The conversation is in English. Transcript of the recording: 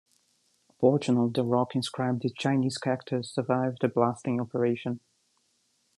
A portion of the rock inscribed with Chinese characters survived the blasting operation.